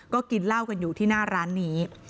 ก็กินเหล้ากันอยู่ที่หน้าร้านนี้